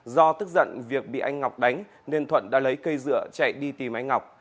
do tức giận việc bị anh ngọc đánh nên thuận đã lấy cây dựa chạy đi tìm anh ngọc